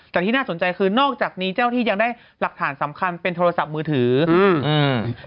แต่ที่น่าสนใจคือนอกจากนี้เจ้าที่ยังได้หลักฐานสำคัญเป็นโทรศัพท์มือถืออืมอืม